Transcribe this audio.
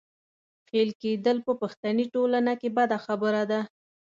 ښېل کېدل په پښتني ټولنه کې بده خبره ده.